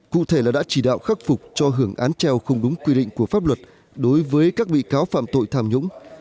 cụ thể là đã chỉ đạo khắc phục cho hưởng án treo không đúng quy định của pháp luật đối với các bị cáo phạm tội tham nhũng